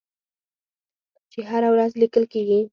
چې هره ورځ لیکل کیږي.